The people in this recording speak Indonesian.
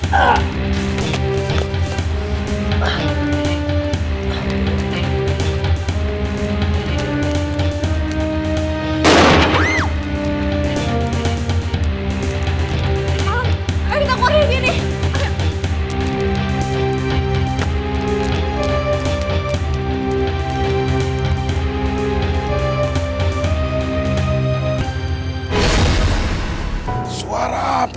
tapi jangan william